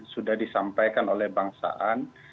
sudah disampaikan oleh bang saan